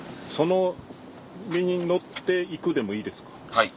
はい。